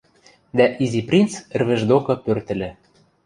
Дӓ Изи принц ӹрвӹж докы пӧртӹльӹ.